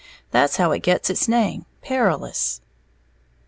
That's how it gets its name, Perilous."